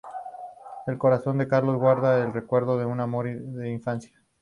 El corazón de Carlos guarda el recuerdo de un amor de infancia.